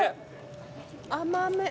甘め。